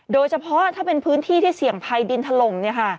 โดยเฉพาะถ้าเป็นพื้นที่ที่เสี่ยงภัยดินถล่ม